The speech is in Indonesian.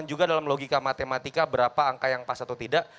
juga dalam logika matematika berapa angka yang pas atau tidak